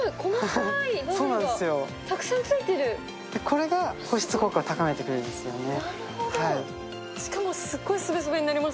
これが保湿効果を高めてくれるんですよね。